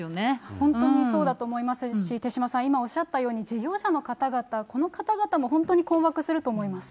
本当にそうだと思いますし、手嶋さん、今おっしゃったように、事業者の方々、この方々も本当に困惑すると思います。